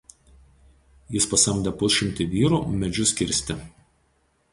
Jis pasamdė pusšimtį vyrų medžius kirsti.